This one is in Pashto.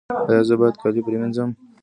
ایا زه باید کالي پریمنځم؟